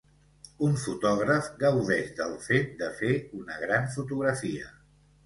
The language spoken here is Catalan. Un fotògraf gaudeix del fet de fer una gran fotografia.